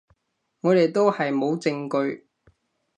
我哋都係冇證據